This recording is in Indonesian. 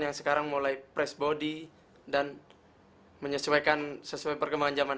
yang sekarang mulai press body dan menyesuaikan sesuai perkembangan zaman